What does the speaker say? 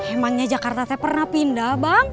emangnya jakarta saya pernah pindah bang